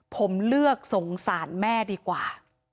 ผมเลือกสงสารแม่ดีกว่า